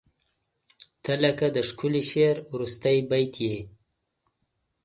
• ته لکه د ښکلي شعر وروستی بیت یې.